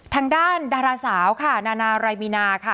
ทางด้านดาราสาวค่ะนานารายมีนาค่ะ